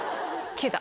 消えた。